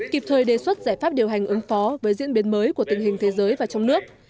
kịp thời đề xuất giải pháp điều hành ứng phó với diễn biến mới của tình hình thế giới và trong nước